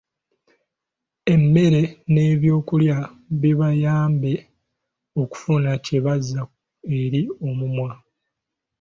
Emmere n’ebyokulya bibayambe okufuna kye bazza eri omumwa.